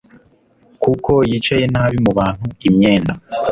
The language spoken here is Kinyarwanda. kuko yicaye nabi mu bantu imyenda